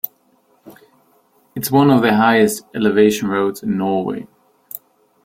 It's one of the highest elevation roads in Norway.